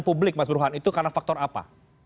publik mas burhan itu karena faktor apa